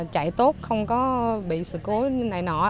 chạy tốt không có bị sự cố này nọ